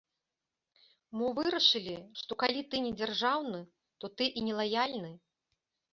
Мо вырашылі, што калі ты не дзяржаўны, то ты і не лаяльны?